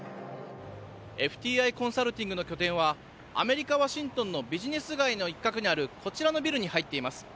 ＦＴＩコンサルティングの拠点はアメリカ・ワシントンのビジネス街の一角にあるこちらのビルに入っています。